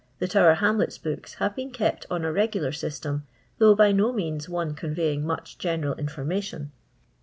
" The Totter Hamleti books have been kept on a regular system, though by no means one con veying much general information."